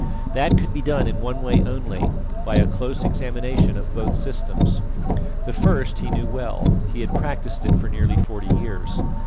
That could be done in one way only by a close examination of both systems. The first he knew well; he had practised it for nearly forty years.